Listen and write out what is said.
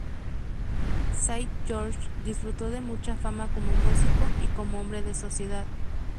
Saint-George disfrutó de mucha fama como músico y como hombre de sociedad.